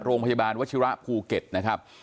โรงพยาบาลวชิระภูเก็ตนะครับ